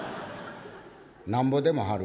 「『なんぼでも貼る』」。